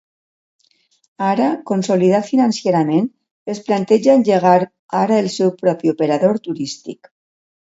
Ara, consolidat financerament, es planteja engegar ara el seu propi operador turístic.